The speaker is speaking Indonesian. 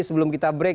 sebelum kita break